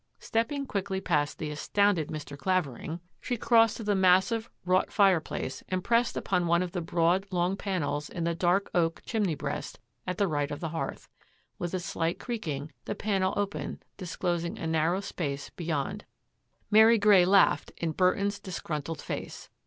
Stepping quickly past the astoimded Mr. Claver CLUE OF THE BROKEN CRUTCH 96 ingf she crossed to the massive, wrought fire place and pressed upon one of the broad long panels in the dark oak chimney breast at the right of the hearth. With a slight creaking, the panel opened, disclosing a narrow space beyond. Mary Grey laughed in Burton's disgruntled face.